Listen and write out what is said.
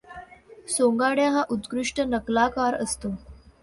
सोंगाड्या हा उत्कृष्ट नकलाकार असतो.